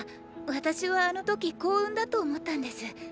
私はあの時“幸運”だと思ったんです。